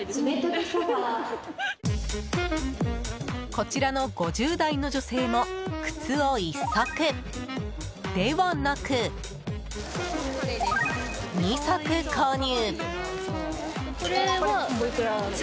こちらの５０代の女性も靴を１足ではなく２足購入。